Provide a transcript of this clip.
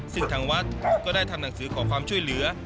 ซึ่งทางวัดก็ได้ทำหนังสือขอความช่วยเหลือ